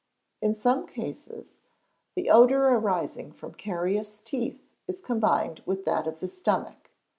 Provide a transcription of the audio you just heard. In some cases, the odour arising from carious teeth is combined with that of the stomach.